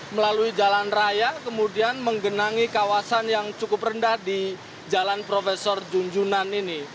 melalui jalan raya kemudian menggenangi kawasan yang cukup rendah di jalan profesor junjunan ini